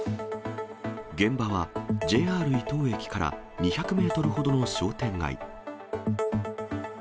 現場はＪＲ伊東駅から２００メートルほどの商店街。